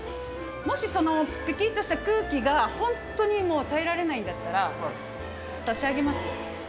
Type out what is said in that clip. もしそのぴきっとした空気が本当にもう耐えられないんだったら、差し上げますよ。